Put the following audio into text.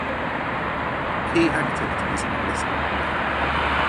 Key activities are listed below.